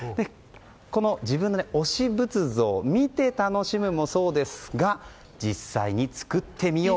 この推し仏像見て楽しむもそうですが実際に作ってみよう。